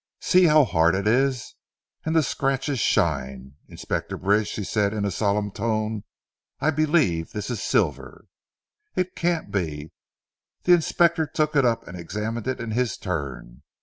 "See how hard it is. And the scratches shine. Inspector Bridge," she said in a solemn tone, "I believe this is silver." "It can't be." The Inspector took it up and examined it in his turn.